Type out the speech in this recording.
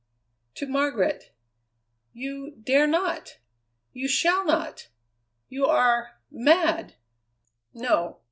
"To Margaret." "You dare not! You shall not! You are mad!" "No.